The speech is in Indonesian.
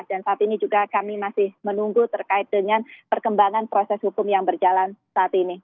dan saat ini juga kami masih menunggu terkait dengan perkembangan proses hukum yang berjalan saat ini